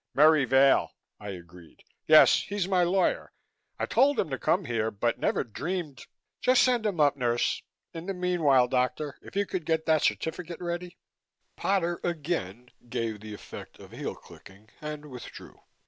"Merry Vail," I agreed. "Yes, he's my lawyer. I told him to come here but never dreamed just send him up, nurse. In the meanwhile, doctor, if you could get that certificate ready " Potter again gave the effect of heel clicking, and withdrew.